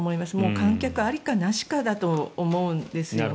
観客ありか、なしかだと思うんですよね。